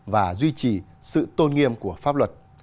và duy trì sự tôn nghiêm của pháp luật